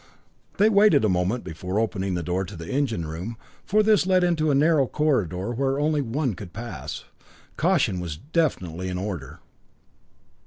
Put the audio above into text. They waited a moment before opening the door into the engine room, for this led into a narrow corridor where only one could pass. Caution was definitely in order.